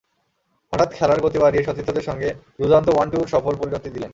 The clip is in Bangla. হঠাৎ খেলার গতি বাড়িয়ে সতীর্থদের সঙ্গে দুর্দান্ত ওয়ান-টুর সফল পরিণতি দিলেন।